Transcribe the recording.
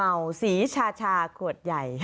มึนเมาสีชาชาควดใหญ่